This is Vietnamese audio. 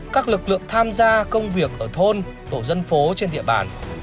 các lực lượng tham gia công việc ở thôn tổ dân phố trên địa bàn